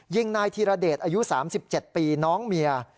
ยิงนายธีรเดชอายุ๓๗ปีน้องเมีย